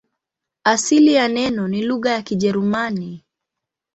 Asili ya neno ni lugha ya Kijerumani.